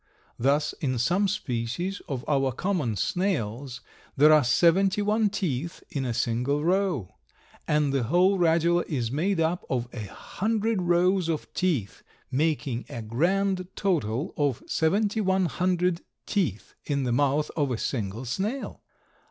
Thus in some species of our common snails there are seventy one teeth in a single row, and the whole radula is made up of a hundred rows of teeth, making a grand total of seventy one hundred teeth in the mouth of a single snail!